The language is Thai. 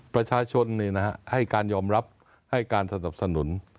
ประชาชนให้การยอมรับให้การสนับสนุน